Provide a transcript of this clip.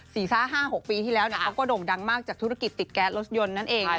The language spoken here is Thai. สี่ซ่า๕๖ปีที่แล้วเขาก็โด่งดังมากจากธุรกิจติดแก๊สรถยนต์นั่นเอง